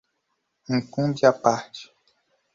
incumbe à parte